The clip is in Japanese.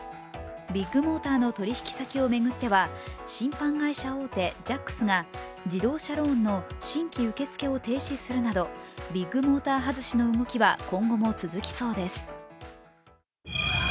ビッグモーターの取引先を巡っては信販会社大手ジャックスが自動車ローンの新規受け付けを停止するなどビッグモーター外しの動きは今後も続きそうです。